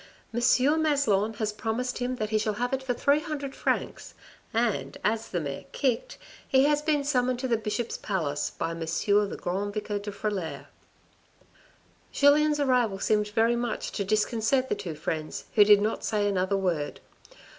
M. Maslon has promised him that he shall have it for three hundred francs ; and, as the mayor kicked, he has been summoned to the bishop's palace by M. the Grand Vicar de Frilair." Julien's arrival seemed very much to disconcert the two friends who did not say another word.